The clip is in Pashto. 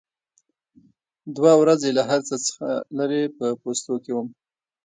دوه ورځې له هر څه څخه لرې په پوستو کې وم.